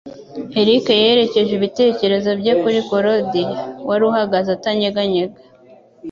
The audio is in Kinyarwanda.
Eric yerekeje ibitekerezo bye kuri Claudia, wari uhagaze atanyeganyega.